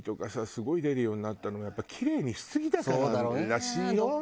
すごい出るようになったのやっぱりキレイにしすぎたかららしいよあれ。